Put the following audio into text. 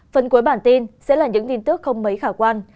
phần cuối bản tin sẽ là những tin tức không mấy khả quan